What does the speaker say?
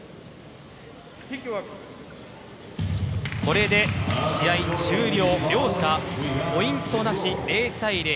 これで試合終了両者ポイントなし０対０。